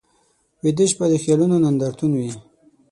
ویده شپه د خیالونو نندارتون وي